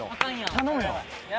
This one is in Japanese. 頼むよ。